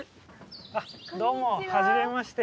あっどうもはじめまして。